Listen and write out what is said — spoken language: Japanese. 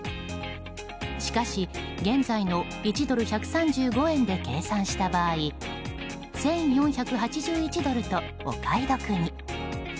しかし、現在の１ドル＝１３５円で計算した場合１４８１ドルとお買い得に。